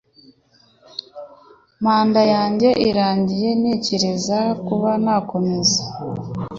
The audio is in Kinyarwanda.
manda yanjye irangiye ntekereza kuba nakomeza